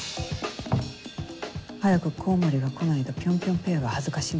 早くコウモリが来ないとピョンピョンペアが恥ずか死ぬ。